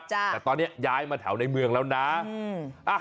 แต่ตอนนี้ย้ายมาแถวในเมืองแล้วนะ